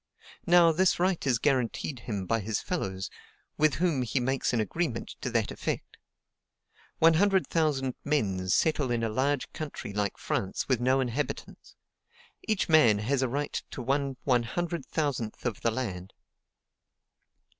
Now, this right is guaranteed him by his fellows, with whom he makes an agreement to that effect. One hundred thousand men settle in a large country like France with no inhabitants: each man has a right to 1/100,000 of the land.